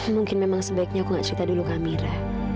mungkin memang sebaiknya aku gak cerita dulu ke amira